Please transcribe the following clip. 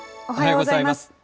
おはようございます。